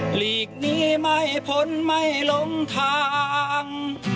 หลีกนี้ไม่พ้นไม่ลงทาง